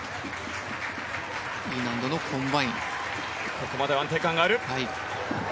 ここまでは安定感がある。